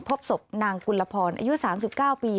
พบศพนางกุลพรอายุ๓๙ปี